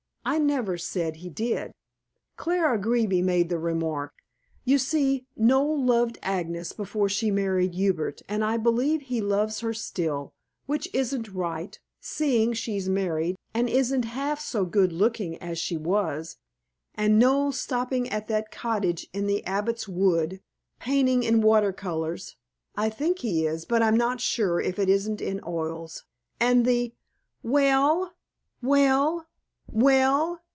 I never said he did. Clara Greeby made the remark. You see, Noel loved Agnes before she married Hubert, and I believe he loves her still, which isn't right, seeing she's married, and isn't half so good looking as she was. And Noel stopping at that cottage in the Abbot's Wood painting in water colors. I think he is, but I'm not sure if it isn't in oils, and the " "Well? Well? Well?"